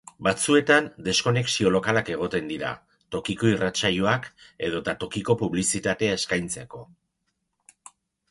Batzuetan deskonexio lokalak egoten dira, tokiko irratsaioak edota tokiko publizitatea eskaintzeko.